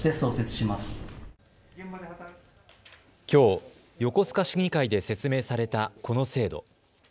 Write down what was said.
きょう、横須賀市議会で説明されたこの制度。